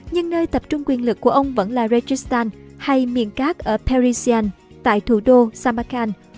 nhưng nơi tập trung quyền lực của ông vẫn là rajasthan hay miền cát ở parisian tại thủ đô samarkand